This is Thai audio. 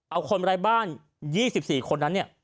เอาคนไร้บ้าน๒๔คนนั้นเนี่ย